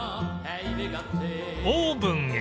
オーブンへ